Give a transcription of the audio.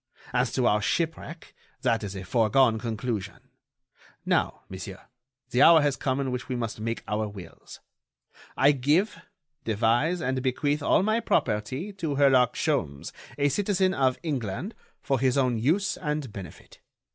As to our shipwreck, that is a foregone conclusion. Now, monsieur, the hour has come in which we must make our wills. I give, devise and bequeath all my property to Herlock Sholmes, a citizen of England, for his own use and benefit.